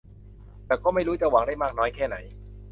แต่ก็ไม่รู้จะหวังได้มากน้อยแค่ไหน